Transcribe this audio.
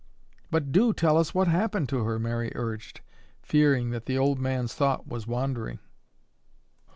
"But do tell us what happened to her?" Mary urged, fearing that the old man's thought was wandering.